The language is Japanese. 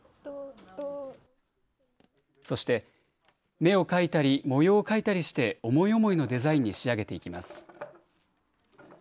そして目を描いたり、模様を描いたりして思い思いのデザインに仕上げていきます。